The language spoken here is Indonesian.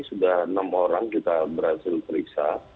sudah enam orang kita berhasil periksa